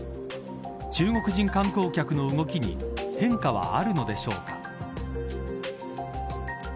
中国人観光客の動きに変化はあるのでしょうか。